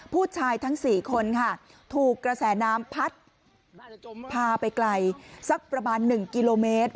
ผู้ชายทั้ง๔คนค่ะถูกกระแสน้ำพัดพาไปไกลสักประมาณ๑กิโลเมตร